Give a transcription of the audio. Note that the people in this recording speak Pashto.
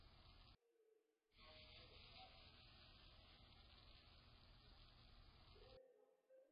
دوی به د ماښام له اذان سره سم ځانونه مورچو ته رسول.